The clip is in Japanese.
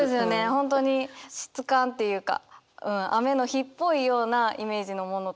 本当に湿感っていうか雨の日っぽいようなイメージのものとかも多くて。